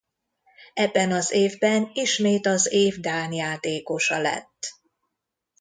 Ebben az évben ismét az év dán játékosa lett.